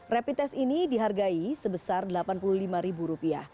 rapid test ini dihargai sebesar rp delapan puluh lima